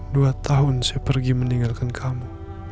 dua tahun saya pergi meninggalkan kamu